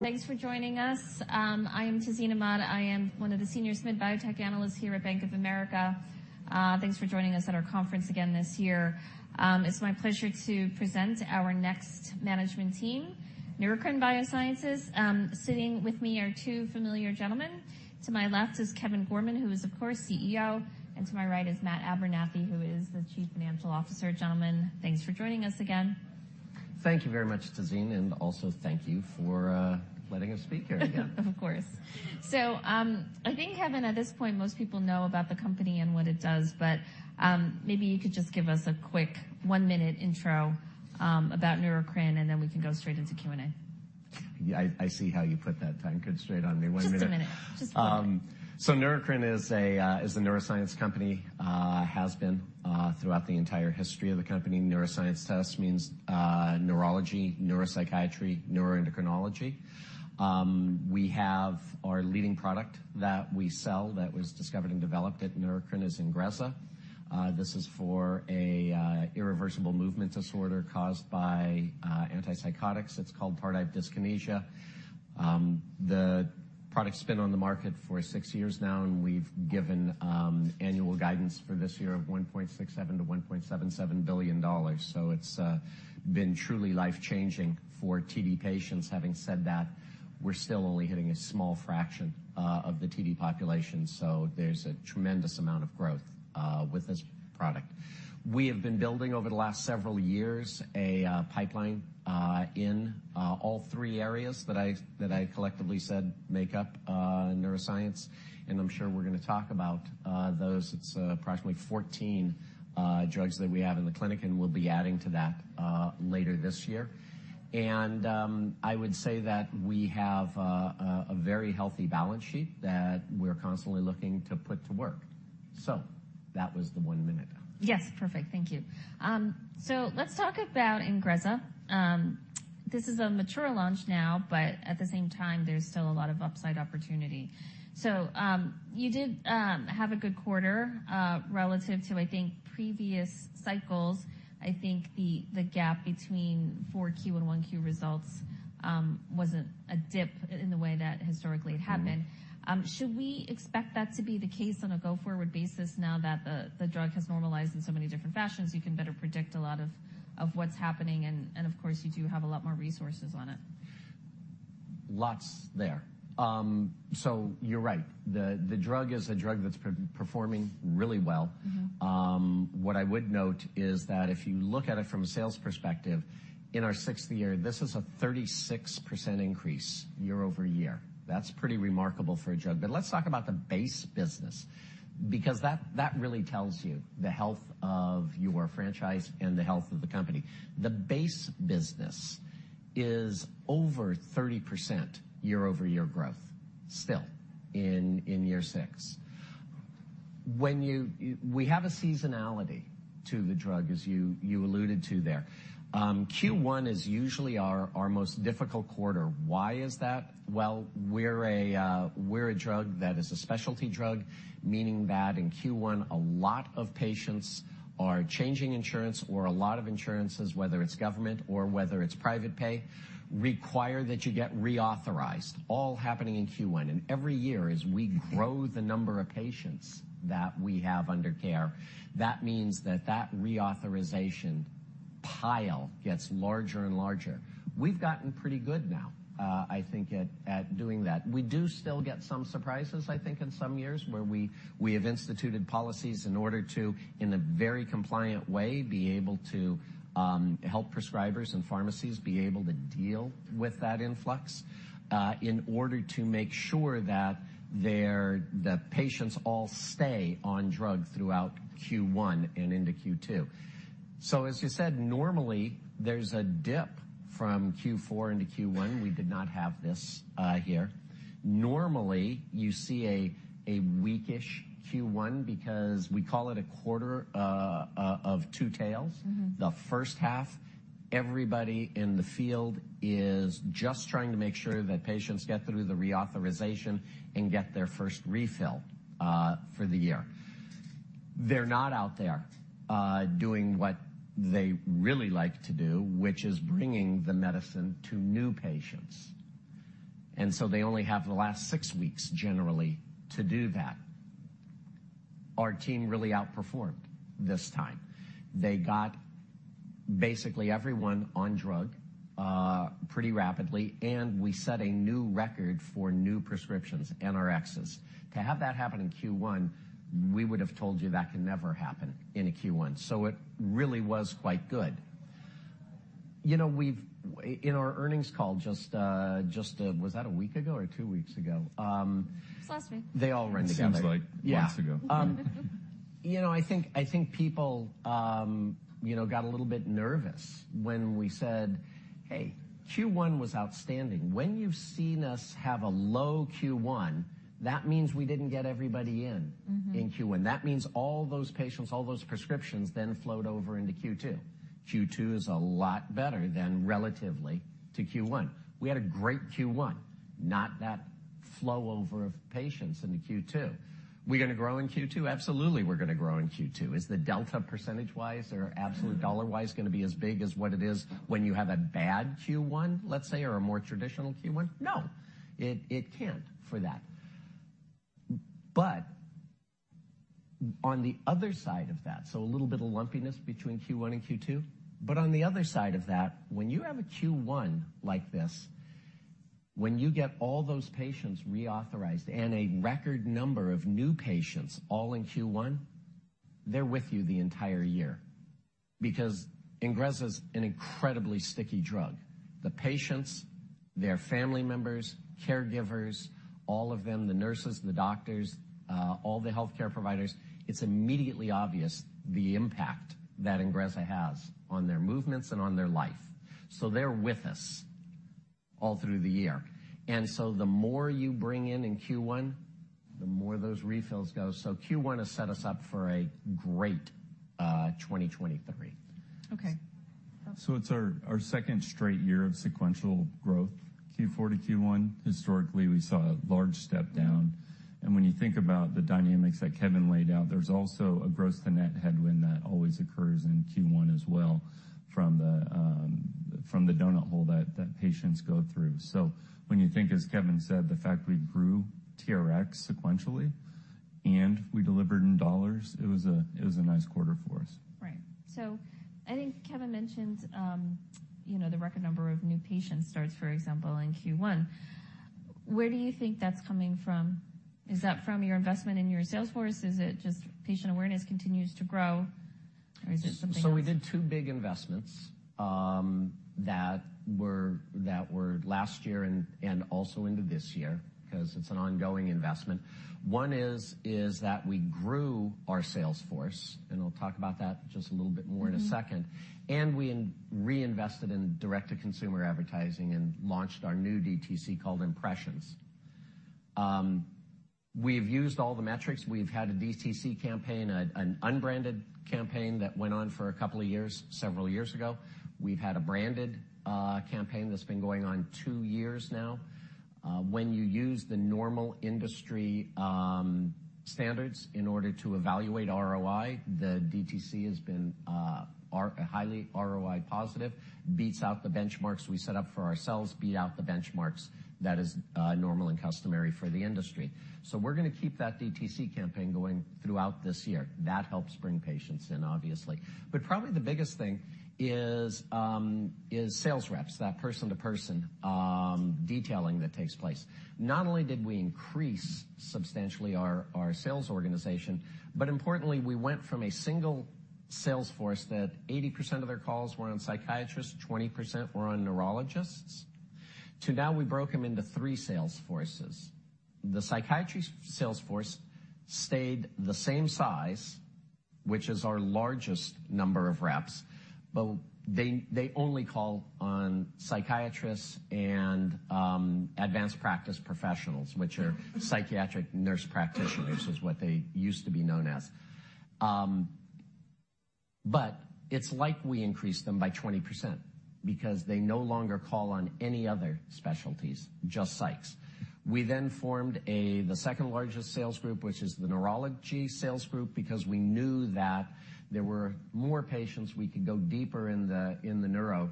Thanks for joining us. I am Tazeen Ahmad. I am one of the senior SMID Biotech analysts here at Bank of America. Thanks for joining us at our conference again this year. It's my pleasure to present our next management team, Neurocrine Biosciences. Sitting with me are two familiar gentlemen. To my left is Kevin Gorman, who is, of course, CEO, and to my right is Matt Abernethy, who is the Chief Financial Officer. Gentlemen, thanks for joining us again. Thank you very much, Tazeen, and also thank you for letting us speak here again. Of course. I think, Kevin, at this point, most people know about the company and what it does, but, maybe you could just give us a quick one-minute intro, about Neurocrine, and then we can go straight into Q&A. Yeah, I see how you put that time constraint on me. One minute. Just a minute. Just one. Neurocrine is a neuroscience company, has been throughout the entire history of the company. Neuroscience to us means neurology, neuropsychiatry, neuroendocrinology. We have our leading product that we sell that was discovered and developed at Neurocrine is INGREZZA. This is for a irreversible movement disorder caused by antipsychotics. It's called tardive dyskinesia. The product's been on the market for 6 years now, and we've given annual guidance for this year of $1.67 billion-$1.77 billion. It's been truly life-changing for TD patients. Having said that, we're still only hitting a small fraction of the TD population, there's a tremendous amount of growth with this product. We have been building over the last several years a pipeline in all three areas that I collectively said make up neuroscience. I'm sure we're gonna talk about those. It's approximately 14 drugs that we have in the clinic, and we'll be adding to that later this year. I would say that we have a very healthy balance sheet that we're constantly looking to put to work. That was the 1 minute. Yes. Perfect. Thank you. Let's talk about INGREZZA. This is a mature launch now, but at the same time, there's still a lot of upside opportunity. You did have a good quarter relative to, I think, previous cycles. I think the gap between 4Q and 1Q results wasn't a dip in the way that historically it happened. Should we expect that to be the case on a go-forward basis now that the drug has normalized in so many different fashions, you can better predict a lot of what's happening and of course, you do have a lot more resources on it? Lots there. You're right. The drug is a drug that's performing really well. Mm-hmm. What I would note is that if you look at it from a sales perspective, in our 6th year, this is a 36% increase year-over-year. That's pretty remarkable for a drug. Let's talk about the base business because that really tells you the health of your franchise and the health of the company. The base business is over 30% year-over-year growth still in year 6. We have a seasonality to the drug, as you alluded to there. Q1 is usually our most difficult quarter. Why is that? Well, we're a drug that is a specialty drug, meaning that in Q1, a lot of patients are changing insurance, or a lot of insurances, whether it's government or whether it's private pay, require that you get reauthorized, all happening in Q1. Every year, as we grow the number of patients that we have under care, that means that that reauthorization pile gets larger and larger. We've gotten pretty good now, I think at doing that. We do still get some surprises, I think, in some years, where we have instituted policies in order to, in a very compliant way, be able to help prescribers and pharmacies be able to deal with that influx in order to make sure that the patients all stay on drug throughout Q1 and into Q2. As you said, normally there's a dip from Q4 into Q1. We did not have this here. Normally, you see a weak-ish Q1 because we call it a quarter of two tails. Mm-hmm. The first half, everybody in the field is just trying to make sure that patients get through the reauthorization and get their first refill for the year. They're not out there doing what they really like to do, which is bringing the medicine to new patients. They only have the last six weeks generally to do that. Our team really outperformed this time. They got basically everyone on drug pretty rapidly, and we set a new record for new prescriptions, NRxs. To have that happen in Q1, we would have told you that can never happen in a Q1. It really was quite good. You know, in our earnings call just was that a week ago or two weeks ago? It was last week. They all run together. It seems like months ago. Yeah. you know, I think people, you know, got a little bit nervous when we said, "Hey, Q1 was outstanding." When you've seen us have a low Q1, that means we didn't get everybody in. Mm-hmm. in Q1. Means all those patients, all those prescriptions then float over into Q2. Q2 is a lot better than relatively to Q1. We had a great Q1. Flow over of patients into Q2. We're gonna grow in Q2? Absolutely, we're gonna grow in Q2. Is the delta percentage-wise or absolute dollar-wise gonna be as big as what it is when you have a bad Q1, let's say, or a more traditional Q1? No, it can't for that. On the other side of that, so a little bit of lumpiness between Q1 and Q2, but on the other side of that, when you have a Q1 like this, when you get all those patients reauthorized and a record number of new patients all in Q1, they're with you the entire year because Ingrezza's an incredibly sticky drug. The patients, their family members, caregivers, all of them, the nurses, the doctors, all the healthcare providers, it's immediately obvious the impact that INGREZZA has on their movements and on their life. They're with us all through the year. The more you bring in in Q1, the more those refills go. Q1 has set us up for a great, 2023. Okay. It's our second straight year of sequential growth. Q4 to Q1, historically, we saw a large step down. When you think about the dynamics that Kevin laid out, there's also a gross to net headwind that always occurs in Q1 as well from the donut hole that patients go through. When you think, as Kevin said, the fact we grew TRX sequentially and we delivered in dollars, it was a nice quarter for us. Right. I think Kevin mentioned, you know, the record number of new patient starts, for example, in Q1. Where do you think that's coming from? Is that from your investment in your sales force? Is it just patient awareness continues to grow? Is there something? We did two big investments, that were last year and also into this year because it's an ongoing investment. One is that we grew our sales force, and I'll talk about that just a little bit more in a second. Mm-hmm. We reinvested in direct-to-consumer advertising and launched our new DTC called Impressions. We've used all the metrics. We've had a DTC campaign, an unbranded campaign that went on for a couple of years, several years ago. We've had a branded campaign that's been going on two years now. When you use the normal industry standards in order to evaluate ROI, the DTC has been highly ROI positive, beats out the benchmarks we set up for ourselves, beat out the benchmarks that is normal and customary for the industry. We're gonna keep that DTC campaign going throughout this year. That helps bring patients in, obviously. Probably the biggest thing is sales reps, that person-to-person detailing that takes place. Not only did we increase substantially our sales organization, but importantly, we went from a single sales force that 80% of their calls were on psychiatrists, 20% were on neurologists, to now we broke them into three sales forces. The psychiatry sales force stayed the same size, which is our largest number of reps, but they only call on psychiatrists and advanced practice professionals, which are psychiatric nurse practitioners, is what they used to be known as. It's like we increased them by 20% because they no longer call on any other specialties, just psychs. We formed the second largest sales group, which is the neurology sales group, because we knew that there were more patients we could go deeper in the neuro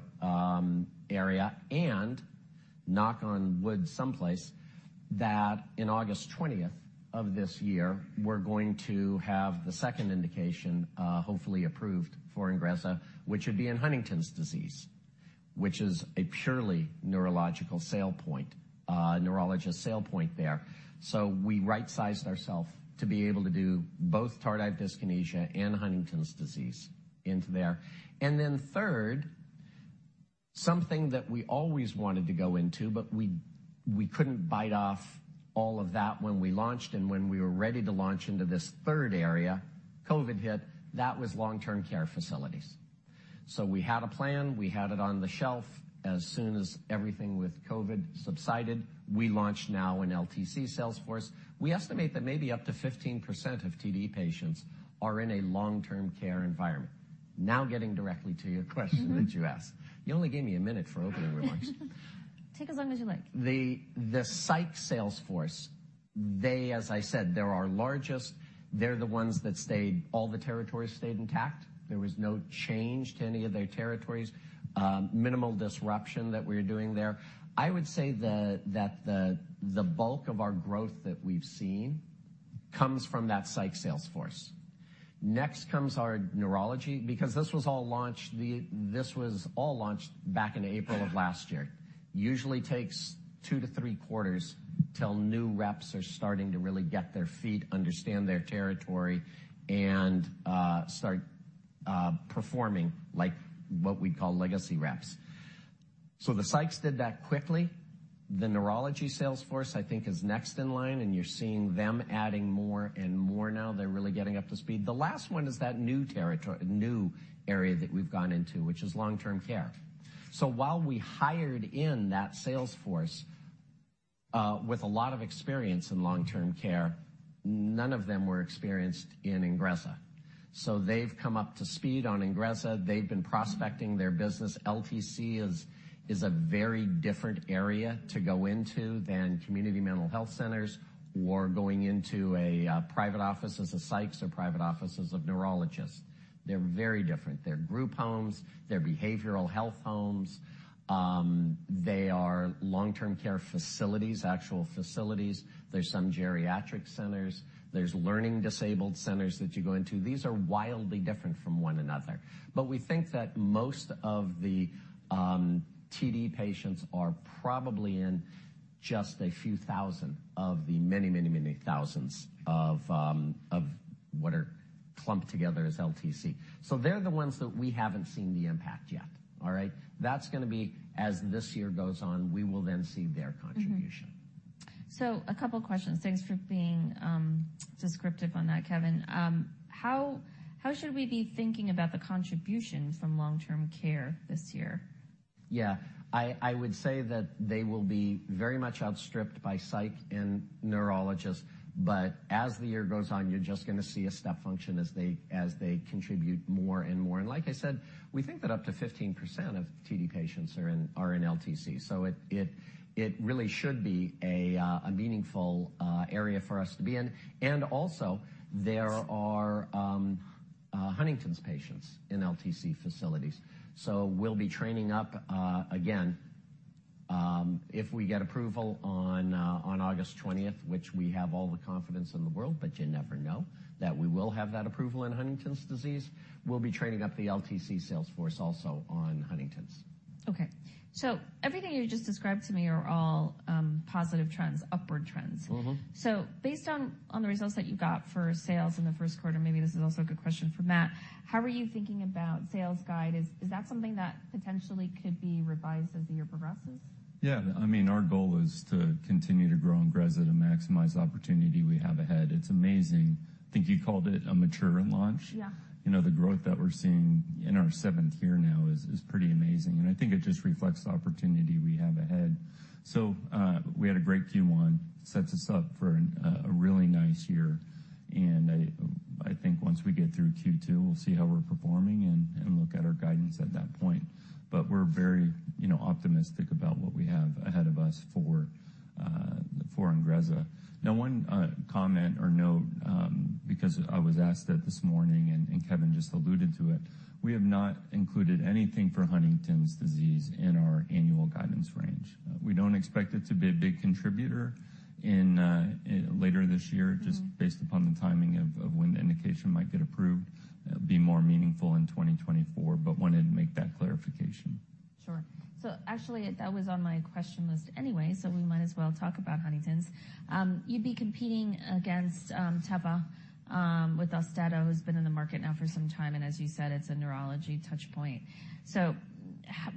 area and, knock on wood someplace, that in August 20th of this year, we're going to have the second indication, hopefully approved for INGREZZA, which would be in Huntington's disease, which is a purely neurological sale point, neurologist sale point there. We right-sized ourselves to be able to do both tardive dyskinesia and Huntington's disease into there. Then third, something that we always wanted to go into, but we couldn't bite off all of that when we launched and when we were ready to launch into this third area, COVID hit. That was long-term care facilities. We had a plan, we had it on the shelf. As soon as everything with COVID subsided, we launched now an LTC sales force. We estimate that maybe up to 15% of TD patients are in a long-term care environment. Now getting directly to your question. Mm-hmm. that you asked. You only gave me a minute for opening remarks. Take as long as you like. The psych sales force, as I said, they're our largest. They're the ones that all the territories stayed intact. There was no change to any of their territories. Minimal disruption that we're doing there. I would say the bulk of our growth that we've seen comes from that psych sales force. Next comes our neurology because this was all launched back in April of last year. Usually takes two to three quarters till new reps are starting to really get their feet, understand their territory, and start performing like what we call legacy reps. The psychs did that quickly. The neurology sales force, I think, is next in line, and you're seeing them adding more and more now. They're really getting up to speed. The last one is that new territory, new area that we've gone into, which is long-term care. While we hired in that sales force, with a lot of experience in long-term care, none of them were experienced in INGREZZA. They've come up to speed on INGREZZA. They've been prospecting their business. LTC is a very different area to go into than community mental health centers or going into a private office as a psychs or private offices of neurologists. They're very different. They're group homes. They're behavioral health homes. They are long-term care facilities, actual facilities. There's some geriatric centers. There's learning disabled centers that you go into. These are wildly different from one another. We think that most of the TD patients are probably in just a few thousand of the many, many, many thousands of what are clumped together as LTC. They're the ones that we haven't seen the impact yet, all right? That's gonna be as this year goes on, we will then see their contribution. A couple questions. Thanks for being descriptive on that, Kevin. How should we be thinking about the contribution from long-term care this year? Yeah. I would say that they will be very much outstripped by psych and neurologists. As the year goes on, you're just gonna see a step function as they contribute more and more. Like I said, we think that up to 15% of TD patients are in LTC. It really should be a meaningful area for us to be in. Also, there are Huntington's patients in LTC facilities. We'll be training up again, if we get approval on August 20th, which we have all the confidence in the world, but you never know, that we will have that approval in Huntington's disease, we'll be training up the LTC sales force also on Huntington's. Okay. Everything you just described to me are all, positive trends, upward trends. Mm-hmm. Based on the results that you got for sales in the Q1, maybe this is also a good question for Matt, how are you thinking about sales guide? Is that something that potentially could be revised as the year progresses? Yeah. I mean, our goal is to continue to grow INGREZZA to maximize the opportunity we have ahead. It's amazing. I think you called it a maturing launch. Yeah. You know, the growth that we're seeing in our seventh year now is pretty amazing, and I think it just reflects the opportunity we have ahead. We had a great Q1, sets us up for a really nice year. I think once we get through Q2, we'll see how we're performing and look at our guidance at that point. We're very, you know, optimistic about what we have ahead of us for INGREZZA. Now one comment or note, because I was asked that this morning and Kevin just alluded to it, we have not included anything for Huntington's disease in our annual guidance range. We don't expect it to be a big contributor in later this year. Mm-hmm. Just based upon the timing of when the indication might get approved. It'll be more meaningful in 2024, but wanted to make that clarification. Sure. Actually that was on my question list anyway, so we might as well talk about Huntington's. You'd be competing against Teva with Austedo, who's been in the market now for some time, and as you said, it's a neurology touch point.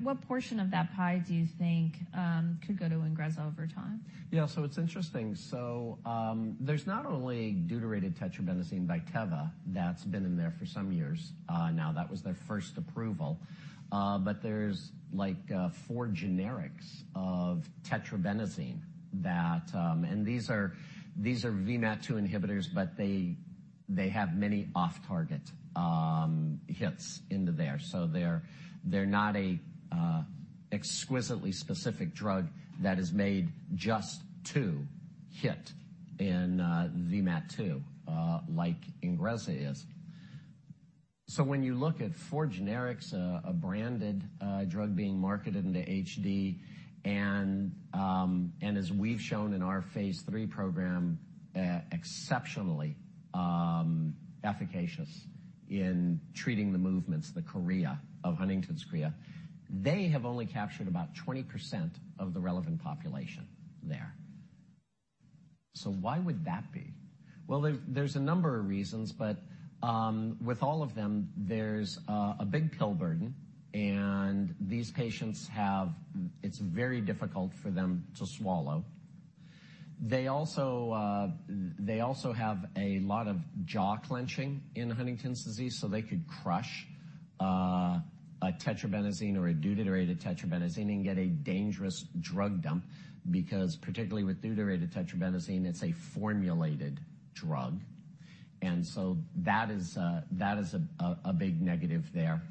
What portion of that pie do you think could go to Ingrezza over time? It's interesting. There's not only deutetrabenazine by Teva that's been in there for some years now. That was their first approval. There's like 4 generics of tetrabenazine that these are VMAT2 inhibitors, but they have many off-target hits into there. They're not a exquisitely specific drug that is made just to hit in VMAT2, like INGREZZA is. When you look at 4 generics, a branded drug being marketed into HD, and as we've shown in our phase III program, exceptionally efficacious in treating the movements, the chorea of Huntington's chorea, they have only captured about 20% of the relevant population there. Why would that be? There's a number of reasons. With all of them, there's a big pill burden, and these patients It's very difficult for them to swallow. They also have a lot of jaw clenching in Huntington's disease. They could crush a tetrabenazine or a deuterated tetrabenazine and get a dangerous drug dump because particularly with deuterated tetrabenazine, it's a formulated drug. That is, that is a big negative there.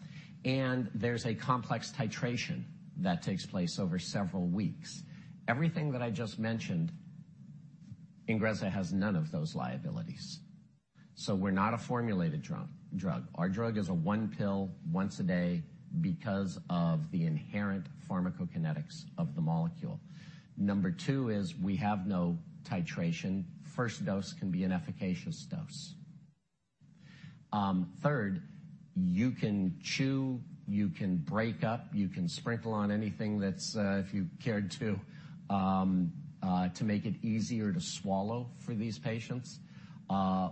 There's a complex titration that takes place over several weeks. Everything that I just mentioned, INGREZZA has none of those liabilities. We're not a formulated drug. Our drug is a 1 pill once a day because of the inherent pharmacokinetics of the molecule. Number two is we have no titration. First dose can be an efficacious dose. Third, you can chew, you can break up, you can sprinkle on anything that's, if you cared to make it easier to swallow for these patients,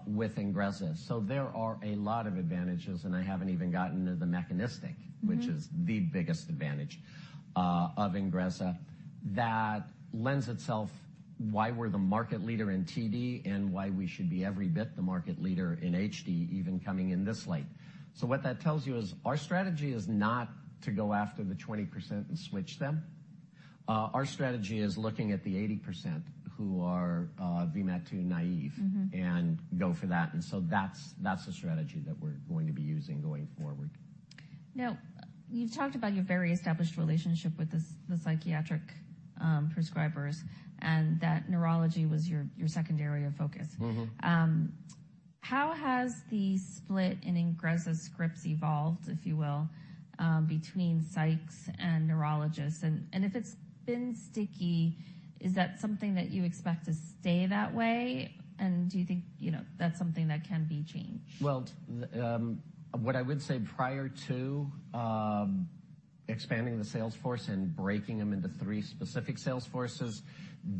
with INGREZZA. There are a lot of advantages, and I haven't even gotten to the mechanistic- Mm-hmm. Which is the biggest advantage, of INGREZZA. That lends itself why we're the market leader in TD and why we should be every bit the market leader in HD, even coming in this late. What that tells you is our strategy is not to go after the 20% and switch them. Our strategy is looking at the 80% who are, VMAT2 naive- Mm-hmm. go for that. That's the strategy that we're going to be using going forward. You've talked about your very established relationship with the psychiatric prescribers, and that neurology was your secondary focus. Mm-hmm. How has the split in INGREZZA scripts evolved, if you will, between psychs and neurologists? If it's been sticky, is that something that you expect to stay that way, and do you think, you know, that's something that can be changed? Well, what I would say prior to expanding the sales force and breaking them into three specific sales forces,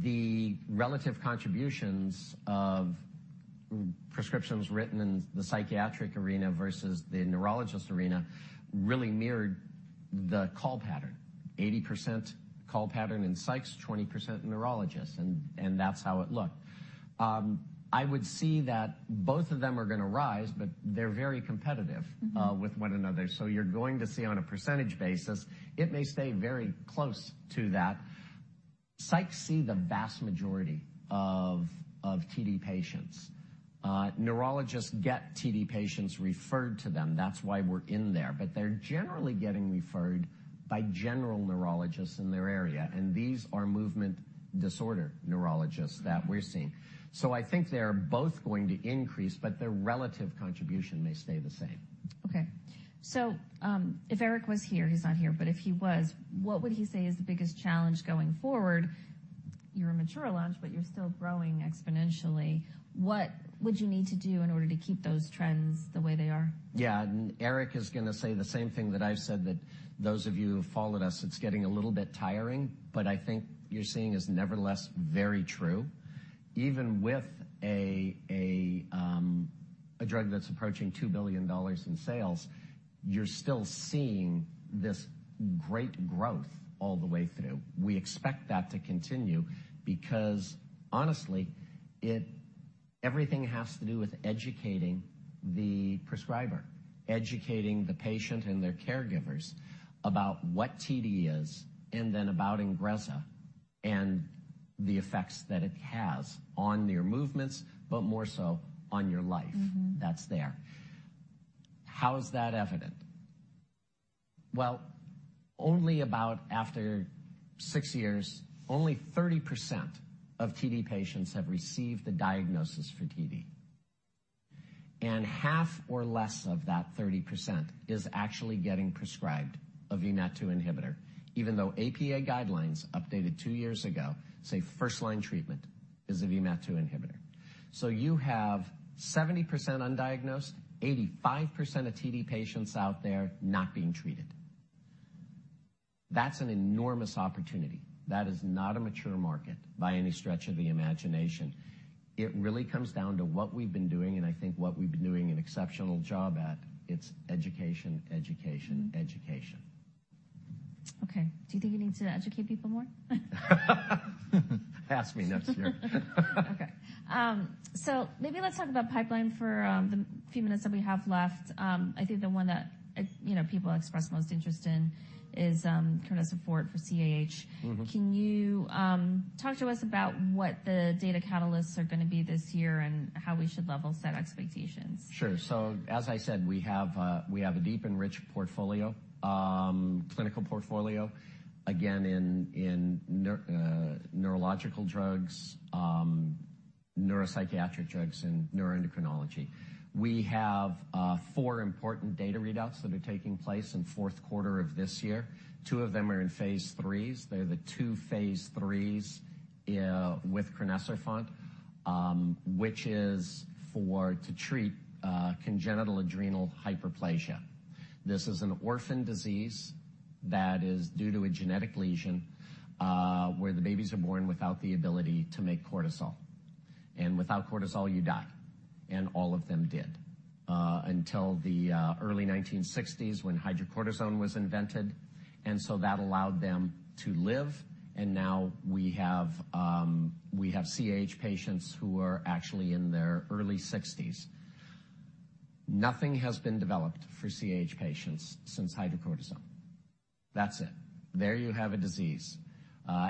the relative contributions of prescriptions written in the psychiatric arena versus the neurologist arena really mirrored the call pattern. 80% call pattern in psychs, 20% neurologists, and that's how it looked. I would see that both of them are gonna rise, but they're very competitive. Mm-hmm. with one another. You're going to see on a percentage basis, it may stay very close to that. Psychs see the vast majority of TD patients. Neurologists get TD patients referred to them, that's why we're in there, but they're generally getting referred by general neurologists in their area, and these are movement disorder neurologists that we're seeing. I think they're both going to increase, but their relative contribution may stay the same. Okay. If Eric was here, he's not here, but if he was, what would he say is the biggest challenge going forward? You're a mature launch, but you're still growing exponentially. What would you need to do in order to keep those trends the way they are? Yeah. Eric is going to say the same thing that I've said, that those of you who've followed us, it's getting a little bit tiring, but I think you're seeing is nevertheless very true. Even with a drug that's approaching $2 billion in sales, you're still seeing this great growth all the way through. We expect that to continue because, honestly, everything has to do with educating the prescriber, educating the patient and their caregivers about what TD is, and then about INGREZZA and the effects that it has on your movements, but more so on your life. Mm-hmm. That's there. How is that evident? Well, only about after six years, only 30% of TD patients have received the diagnosis for TD. Half or less of that 30% is actually getting prescribed a VMAT2 inhibitor, even though APA guidelines updated two years ago say first line treatment is a VMAT2 inhibitor. You have 70% undiagnosed, 85% of TD patients out there not being treated. That's an enormous opportunity. That is not a mature market by any stretch of the imagination. It really comes down to what we've been doing, and I think what we've been doing an exceptional job at, it's education, education. Okay. Do you think you need to educate people more? Pass me next year. Okay. Maybe let's talk about pipeline for the few minutes that we have left. I think the one that, you know, people express most interest in is kind of support for CAH. Mm-hmm. Can you talk to us about what the data catalysts are going to be this year and how we should level set expectations? Sure. As I said, we have a deep and rich portfolio, clinical portfolio, again, in neurological drugs, neuropsychiatric drugs, and neuroendocrinology. We have four important data readouts that are taking place in Q4of this year. Two of them are in phase III's. They're the two phase III's with Crinecerfont, which is for to treat congenital adrenal hyperplasia. This is an orphan disease that is due to a genetic lesion, where the babies are born without the ability to make cortisol. Without cortisol, you die. All of them did until the early 1960s when hydrocortisone was invented. That allowed them to live. Now we have CAH patients who are actually in their early 60s. Nothing has been developed for CAH patients since hydrocortisone. That's it. There you have a disease.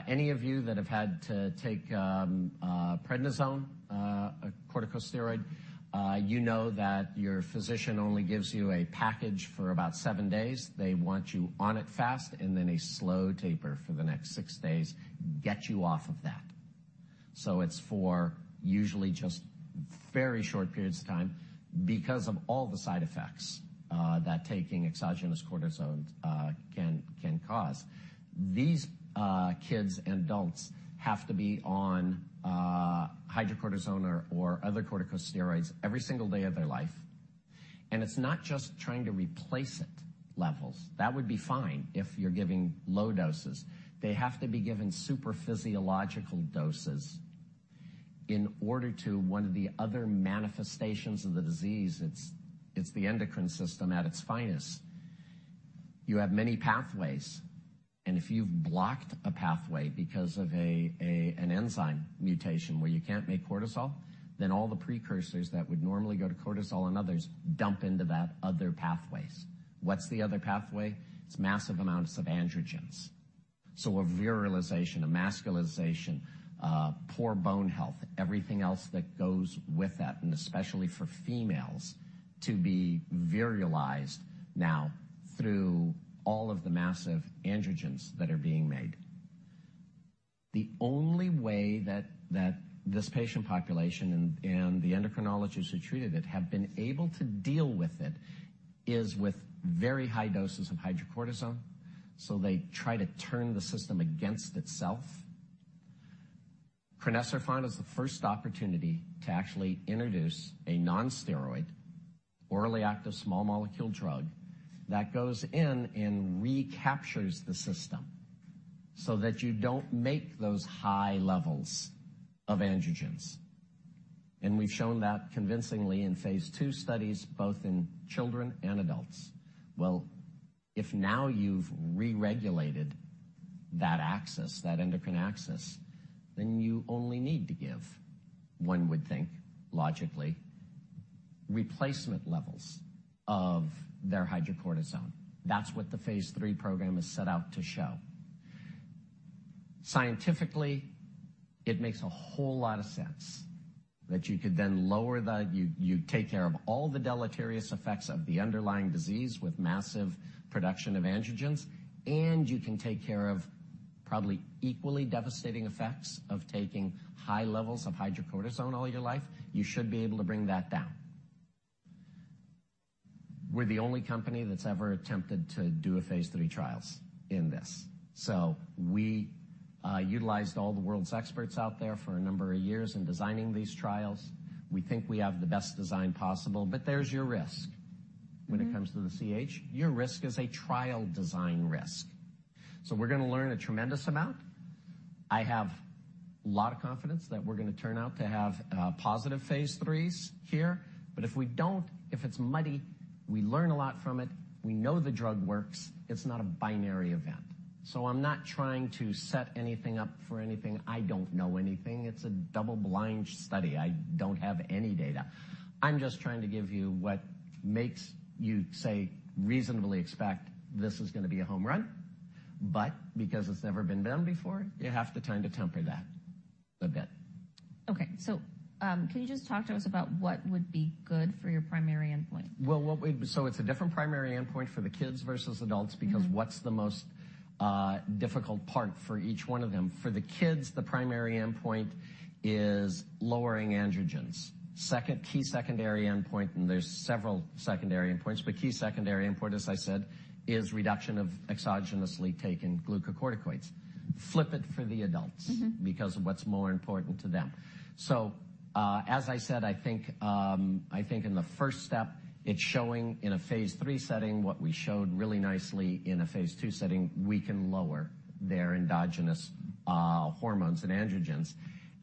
Any of you that have had to take prednisone, a corticosteroid, you know that your physician only gives you a package for about 7 days. They want you on it fast, and then a slow taper for the next 6 days, get you off of that. It's for usually just very short periods of time because of all the side effects that taking exogenous cortisone can cause. These kids and adults have to be on hydrocortisone or other corticosteroids every single day of their life. It's not just trying to replace it levels. That would be fine if you're giving low doses. They have to be given super physiological doses. One of the other manifestations of the disease, it's the endocrine system at its finest. You have many pathways, and if you've blocked a pathway because of an enzyme mutation where you can't make cortisol, then all the precursors that would normally go to cortisol and others dump into that other pathways. What's the other pathway? It's massive amounts of androgens. A virilization, a masculinization, poor bone health, everything else that goes with that, and especially for females to be virilized now through all of the massive androgens that are being made. The only way that this patient population and the endocrinologists who treated it have been able to deal with it, is with very high doses of hydrocortisone, so they try to turn the system against itself. crinecerfont is the first opportunity to actually introduce a non-steroid, orally active, small molecule drug that goes in and recaptures the system so that you don't make those high levels of androgens. We've shown that convincingly in phase II studies, both in children and adults. If now you've re-regulated that access, that endocrine access, then you only need to give, one would think, logically, replacement levels of their hydrocortisone. That's what the phase III program is set out to show. Scientifically, it makes a whole lot of sense that you could then lower. You take care of all the deleterious effects of the underlying disease with massive production of androgens, and you can take care of probably equally devastating effects of taking high levels of hydrocortisone all your life. You should be able to bring that down. We're the only company that's ever attempted to do a phase III trials in this. We utilized all the world's experts out there for a number of years in designing these trials. We think we have the best design possible. There's your risk when it comes to the CAH. Your risk is a trial design risk. We're gonna learn a tremendous amount. I have a lot of confidence that we're gonna turn out to have positive phase III here, but if we don't, if it's muddy, we learn a lot from it. We know the drug works. It's not a binary event. I'm not trying to set anything up for anything. I don't know anything. It's a double-blind study. I don't have any data. I'm just trying to give you what makes you, say, reasonably expect this is gonna be a home run. Because it's never been done before, you have the time to temper that a bit. Can you just talk to us about what would be good for your primary endpoint? It's a different primary endpoint for the kids versus adults, because what's the most difficult part for each one of them? For the kids, the primary endpoint is lowering androgens. Second, key secondary endpoint, and there's several secondary endpoints, but key secondary endpoint, as I said, is reduction of exogenously taking glucocorticoids. Flip it for the adults. Mm-hmm. because of what's more important to them. As I said, I think, I think in the first step, it's showing in a phase III setting what we showed really nicely in a phase II setting, we can lower their endogenous hormones and androgens,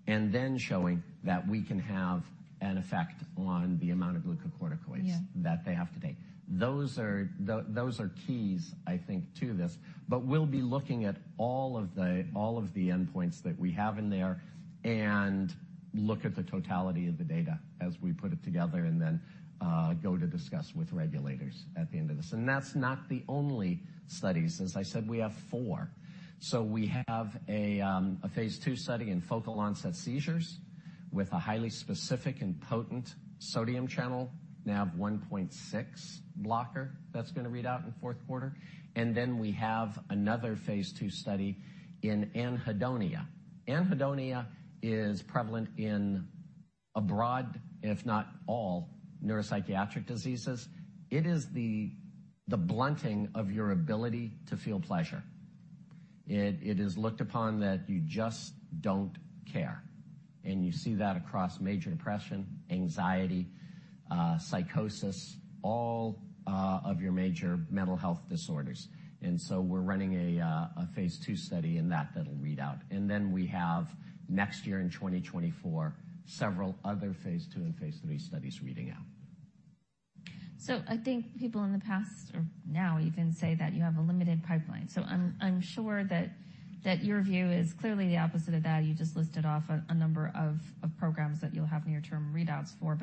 and then showing that we can have an effect on the amount of glucocorticoids. Yeah. that they have to take. Those are, those are keys, I think, to this. We'll be looking at all of the, all of the endpoints that we have in there and look at the totality of the data as we put it together and then go to discuss with regulators at the end of this. That's not the only studies, as I said, we have four. We have a phase II study in focal onset seizures with a highly specific and potent sodium channel, Nav1.6 blocker that's gonna read out in the Q4. Then we have another phase II study in anhedonia. Anhedonia is prevalent in a broad, if not all, neuropsychiatric diseases. It is the blunting of your ability to feel pleasure. It, it is looked upon that you just don't care. You see that across major depression, anxiety, psychosis, all of your major mental health disorders. We're running a phase II study in that that'll read out. We have next year in 2024, several other phase II and phase III studies reading out. I think people in the past or now even say that you have a limited pipeline. I'm sure that your view is clearly the opposite of that. You just listed off a number of programs that you'll have near-term readouts for.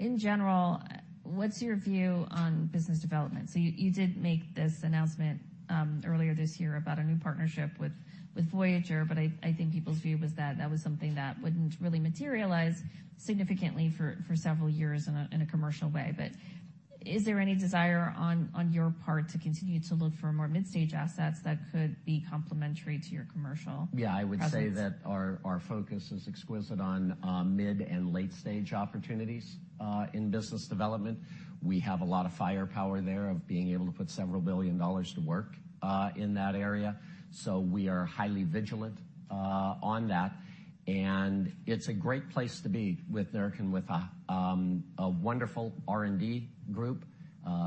In general, what's your view on business development? You did make this announcement earlier this year about a new partnership with Voyager, but I think people's view was that that was something that wouldn't really materialize significantly for several years in a commercial way. Is there any desire on your part to continue to look for more mid-stage assets that could be complementary to your commercial presence? Yeah. I would say that our focus is exquisite on mid and late stage opportunities in business development. We have a lot of firepower there of being able to put several billion dollars to work in that area. We are highly vigilant on that. It's a great place to be with Neurocrine with a wonderful R&D group,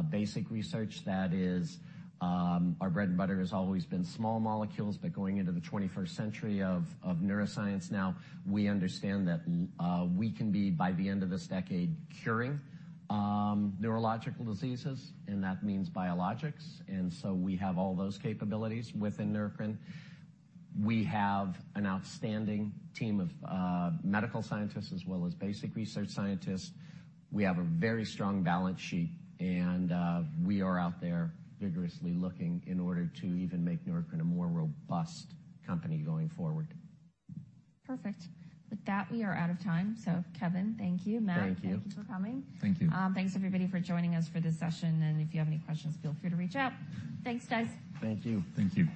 basic research that is our bread and butter has always been small molecules, but going into the 21st century of neuroscience now, we understand that we can be, by the end of this decade, curing neurological diseases, and that means biologics. We have all those capabilities within Neurocrine. We have an outstanding team of medical scientists as well as basic research scientists. We have a very strong balance sheet, and, we are out there vigorously looking in order to even make Neurocrine a more robust company going forward. Perfect. With that, we are out of time. Kevin, thank you. Thank you. Matt. Thank you. Thank you for coming. Thank you. Thanks, everybody for joining us for this session. If you have any questions, feel free to reach out. Thanks, guys. Thank you. Thank you.